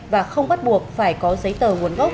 và không bắt buộc phải có giấy tờ nguồn gốc